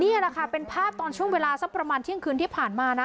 นี่แหละค่ะเป็นภาพตอนช่วงเวลาสักประมาณเที่ยงคืนที่ผ่านมานะ